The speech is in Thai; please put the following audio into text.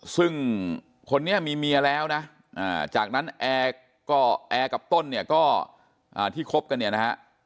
ซึ่งคนนี้มีเมียแล้วนะจากนั้นแอร์ก็แอร์กับต้นเนี่ยก็ที่คบกันเนี่ยนะฮะ